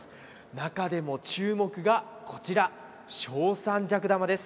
中でも注目がこちら正三尺玉です。